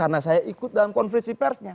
karena saya ikut dalam konflik si persnya